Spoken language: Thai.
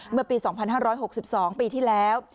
เมื่อปีสองพันห้าร้อยหกสิบสองปีที่แล้ว